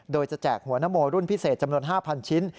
โดยจะแจกหัวนโมรุ่นพิเศษจำนวน๕๐๐ชิ้น